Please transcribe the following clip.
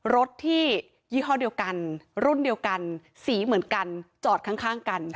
รถที่ยี่ห้อเดียวกันรุ่นเดียวกันสีเหมือนกันจอดข้างกัน